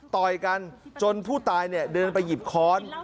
ต่อยกันจนผู้ตายเนี่ยเดินไปหยิบค้อน